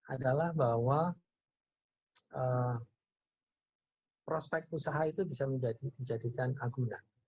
adalah bahwa prospek usaha itu bisa dijadikan agunan